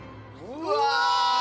うわ！